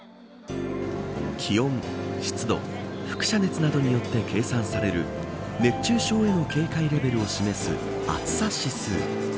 気温、湿度、輻射熱などによって計算される熱中症への警戒レベルを示す暑さ指数。